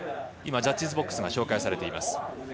ジャッジズボックスが紹介されています。